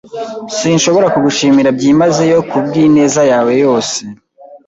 Sinshobora kugushimira byimazeyo kubwineza yawe yose.